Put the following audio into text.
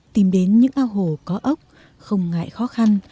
tìm đến những ao hồ có ốc không ngại khó khăn